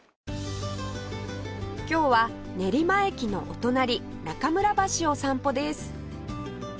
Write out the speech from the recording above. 今日は練馬駅のお隣中村橋を散歩です